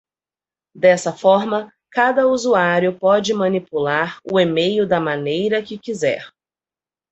Dessa forma, cada usuário pode manipular o email da maneira que quiser.